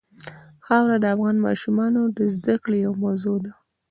خاوره د افغان ماشومانو د زده کړې یوه موضوع ده.